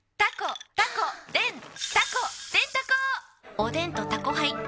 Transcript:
おでんと「タコハイ」ん！